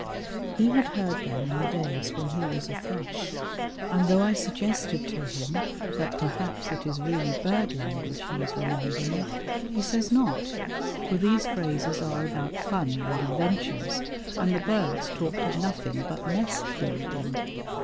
He had heard them in the days when he was a thrush, and though I suggested to him that perhaps it is really bird language he is remembering, he says not, for these phrases are about fun and adventures, and the birds talked of nothing but nest building.